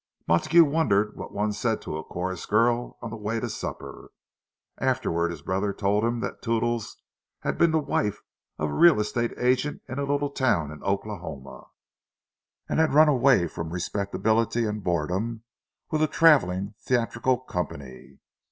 Montague wondered what one said to a chorus girl on the way to supper. Afterward his brother told him that Toodles had been the wife of a real estate agent in a little town in Oklahoma, and had run away from respectability and boredom with a travelling theatrical company.